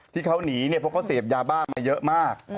ที่เขาหนีเนี่ยเพราะเขาเสพยาบ้ามาเยอะมาก